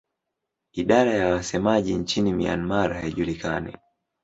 Idadi ya wasemaji nchini Myanmar haijulikani.